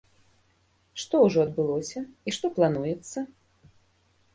Што ўжо адбылося і што плануецца?